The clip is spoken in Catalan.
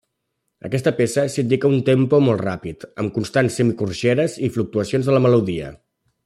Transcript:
Aquesta peça s'indica un tempo molt ràpid, amb constants semicorxeres i fluctuacions de la melodia.